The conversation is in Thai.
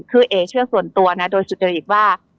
คือเอ๋เชื่อส่วนตัวนะโดยสุจริตว่า